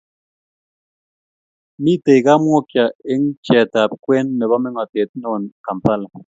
Mitei kamwokya eng pcheetab kwen nebo mengotet neo Kampala